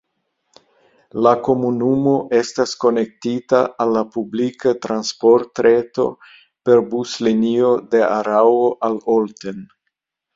La komunumo estas konektita al la publika transportreto per buslinio de Araŭo al Olten.